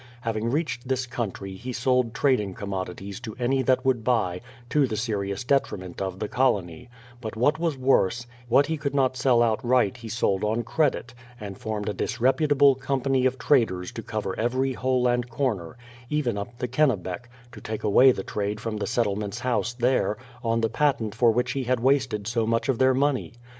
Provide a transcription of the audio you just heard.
Having reached this country he sold trading commodities to any that would buy, to the serious detri ment of the colony; but what was worse, what he could not sell outright he sold on credit, and formed a disrepu table company of traders to cover every hole and corner, — even up the Kennebec, to take away the trade from the settlement's house there, on the patent for which he had wasted so much of their money.